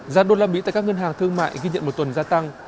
giá usd tại các ngân hàng thương mại ghi nhận một tuần gia tăng